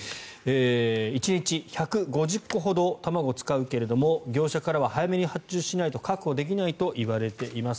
１日１５０個ほど卵を使うけれども業者からは早めに発注しないと確保できないと言われています。